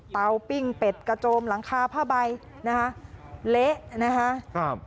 ปิ้งเป็ดกระโจมหลังคาผ้าใบนะคะเละนะคะครับ